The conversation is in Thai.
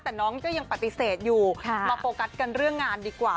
แต่น้องก็ยังปฏิเสธอยู่มาโฟกัสกันเรื่องงานดีกว่า